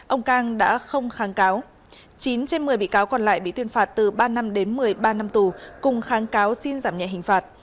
ông cang đã không kháng cáo chín trên một mươi bị cáo còn lại bị tuyên phạt từ ba năm đến một mươi ba năm tù cùng kháng cáo xin giảm nhẹ hình phạt